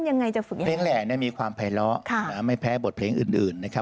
ยังไงจะฝึกแหละมีความไพลล้อค่ะไม่แพ้บทเพลงอื่นนะครับ